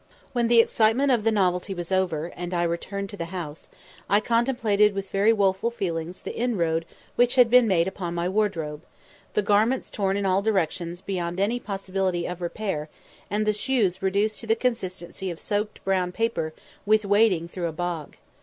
When the excitement of the novelty was over, and I returned to the house, I contemplated with very woeful feelings the inroad which had been made upon my wardrobe the garments torn in all directions beyond any possibility of repair, and the shoes reduced to the consistency of soaked brown paper with wading through a bog.